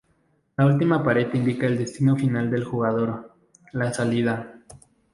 La última pared indica el destino final del jugador: la salida.